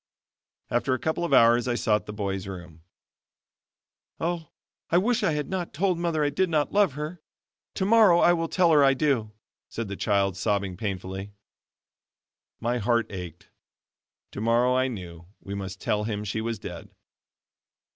After a couple of hours I sought the boy's room. "Oh, I wish I had not told mother I did not love her. Tomorrow I will tell her I do," said the child sobbing painfully. My heart ached; tomorrow I knew we must tell him she was dead.